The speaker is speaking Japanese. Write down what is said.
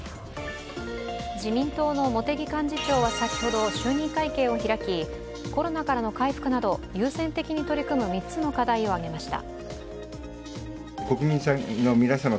自民党の茂木幹事長は先ほど、就任会見を開きコロナからの回復など優先的に取り組む３つの課題を挙げました。